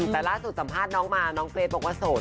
แต่ล่าสุดสัมภาษณ์น้องมาน้องเกรทบอกว่าโสด